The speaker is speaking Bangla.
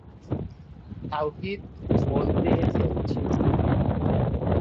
নিউজিল্যান্ডের বিপক্ষে কোন টেস্ট খেলার সুযোগ না পেলেও তিনটি ওডিআই নিয়ে গড়া সিরিজের শেষ দুইটিতে অংশ নেন।